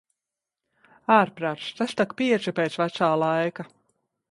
Ārprāc, tas tak pieci pēc "vecā" laika.